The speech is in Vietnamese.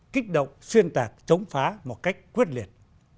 kích động xuyên tạc chống phá một cách quyết liệt